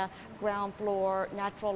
lantai tanah cahaya natural